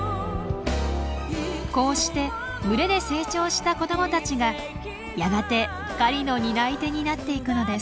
こうして群れで成長した子どもたちがやがて狩りの担い手になっていくのです。